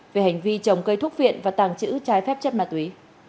về hành vi trồng cây thuốc viện và tàng trữ trái phép chất ma túy